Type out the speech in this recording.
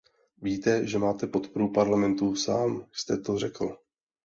Víte, že máte podporu Parlamentu, sám jste to řekl.